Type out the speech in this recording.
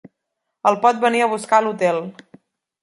El pot venir a buscar a l'hotel.